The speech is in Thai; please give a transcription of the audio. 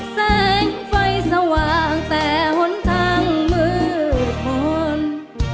แสงไฟสว่างแต่หนทางมือคน